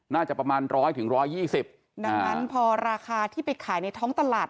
น่าจะประมาณร้อยถึงร้อยยี่สิบดังนั้นพอราคาที่ไปขายในท้องตลาด